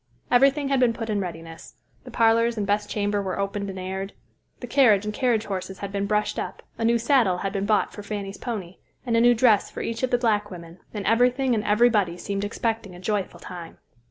Everything had been put in readiness. The parlors and best chamber were opened and aired. The carriage and carriage horses had been brushed up, a new saddle had been bought for Fanny's pony, and a new dress for each of the black women, and everything and everybody seemed expecting a joyful time.